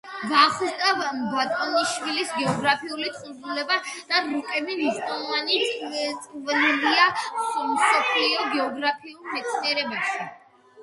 ვახუშტი ბატონიშვილის გეოგრაფიული თხზულება და რუკები მნიშვნელოვანი წვლილია მსოფლიო გეოგრაფიულ მეცნიერებაში.